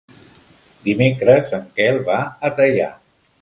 Dimecres en Quel va a Teià.